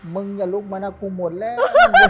มึงอย่าลุกมานะกูหมดแล้ว